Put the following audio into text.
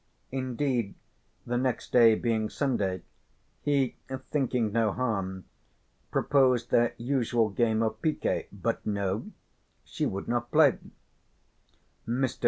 Indeed, the next day being Sunday he, thinking no harm, proposed their usual game of piquet, but no, she would not play. Mr.